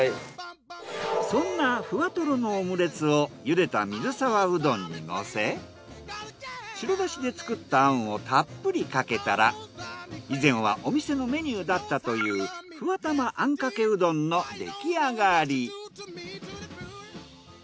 そんなふわとろのオムレツをゆでた水沢うどんにのせ白だしで作ったあんをたっぷりかけたら以前はお店のメニューだったというふわたまあんかけうどんの出来上がり。